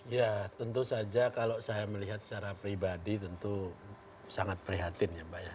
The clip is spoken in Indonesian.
ya tentu saja kalau saya melihat secara pribadi tentu sangat prihatin ya mbak ya